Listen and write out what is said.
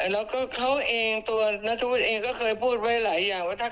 แล้วก็เขาเองตัวนัทธวุฒิเองก็เคยพูดไว้หลายอย่างว่า